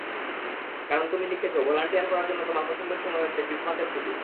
কারণ, তুমি লিখেছ, ভলান্টিয়ার করার জন্য তোমার পছন্দের সময় হচ্ছে ক্রিসমাসের ছুটি।